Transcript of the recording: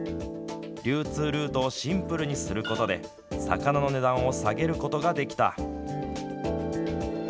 流通ルートをシンプルにすることで魚の値段を下げることができた。